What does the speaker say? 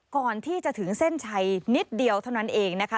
ก่อนที่จะถึงเส้นชัยนิดเดียวเท่านั้นเองนะคะ